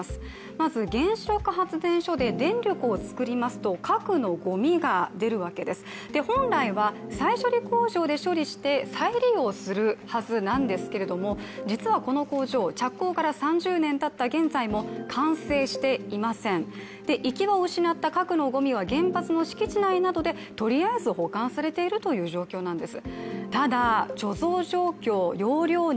まず原子力発電所で電力を作りますと核のごみが出るわけです、本来は再処理工場で処理して再利用するはずなんですが、実はこの工場、着工から３０年たった今も完成していません、行き場を失った核のごみは原発の敷地内などでとりあえず保管されているという状況なんです。